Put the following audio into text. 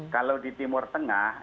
kalau di timur tengah